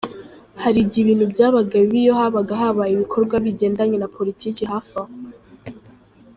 Hari igihe ibintu byabaga bibi iyo habaga habaye ibikorwa bigendanye na politike hafi aho.